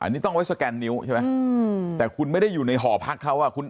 นี้ต้องเอาไว้สแกนนิ้วแต่คุณไม่ได้อยู่ในหอพักเขาคุณ